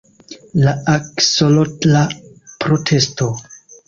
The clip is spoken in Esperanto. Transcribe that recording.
La aksolotla protesto